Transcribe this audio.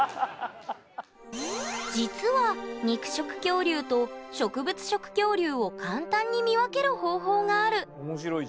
実は肉食恐竜と植物食恐竜を簡単に見分ける方法がある。